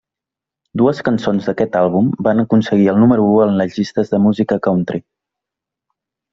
Dues cançons d’aquest àlbum van aconseguir el número u en les llistes de música country.